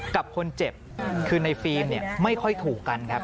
กับคนเจ็บคือในฟิล์มเนี่ยไม่ค่อยถูกกันครับ